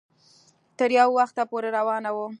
تر يو وخته پورې روانه وه